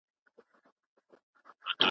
ما د جانان خاموشي خوب ته نه پرېږدينه